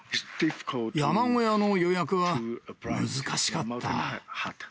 山小屋の予約は難しかった。